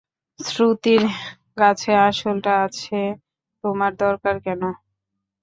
শ্রুতির কাছে আসলটা আছে, তোমার দরকার কেন?